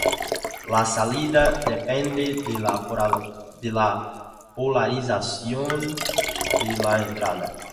La salida depende de la polarización de la entrada.